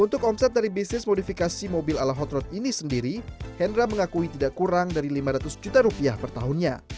untuk omset dari bisnis modifikasi mobil ala hot road ini sendiri hendra mengakui tidak kurang dari lima ratus juta rupiah per tahunnya